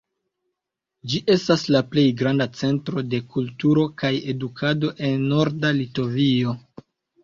Ĝi estas la plej granda centro de kulturo kaj edukado en Norda Litovio.